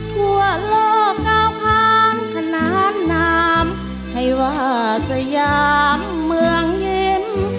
ทั่วโลกก้าวผ่านขนานนามให้ว่าสยามเมืองเย็น